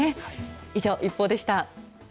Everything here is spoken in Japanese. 以上、ＩＰＰＯＵでした。